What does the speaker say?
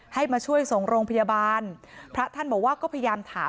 ให้มาช่วยส่งโรงพยาบาลพระท่านบอกว่าก็พยายามถาม